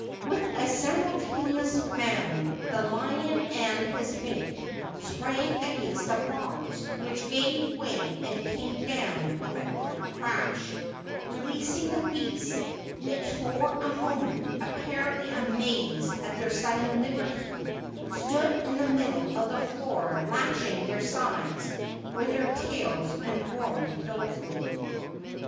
With a simultaneous bound the lion and his mate, sprang against the bars, which gave way and came down with a great crash, releasing the beasts, which for a moment, apparently amazed at their sudden liberty, stood in the middle of the floor lashing their sides with their tails and roaring dolefully.